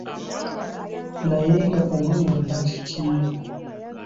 Naye nga olwo lwonna kiki?